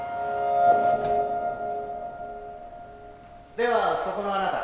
ではそこのあなた。